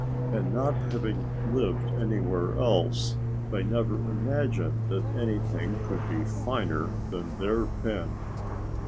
And not having lived anywhere else, they never imagined that anything could be finer than their pen.